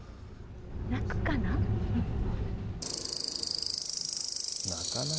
鳴くかな？